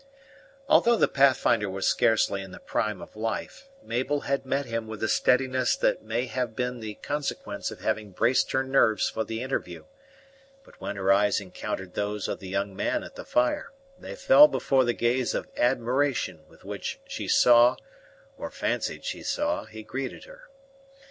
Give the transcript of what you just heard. Although the Pathfinder was scarcely in the prime of life, Mabel had met him with a steadiness that may have been the consequence of having braced her nerves for the interview; but when her eyes encountered those of the young man at the fire, they fell before the gaze of admiration with which she saw, or fancied she saw, he greeted her.